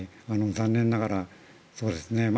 残念ながらそうですね。